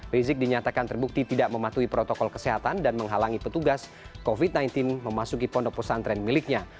rizik dinyatakan terbukti tidak mematuhi protokol kesehatan dan menghalangi petugas covid sembilan belas memasuki pondok pesantren miliknya